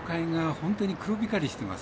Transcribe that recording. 本当に黒光りしています。